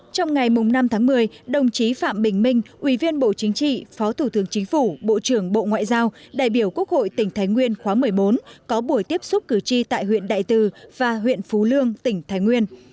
trong ngày năm tháng một mươi đồng chí phạm bình minh ủy viên bộ chính trị phó thủ tướng chính phủ bộ trưởng bộ ngoại giao đại biểu quốc hội tỉnh thái nguyên khóa một mươi bốn có buổi tiếp xúc cử tri tại huyện đại từ và huyện phú lương tỉnh thái nguyên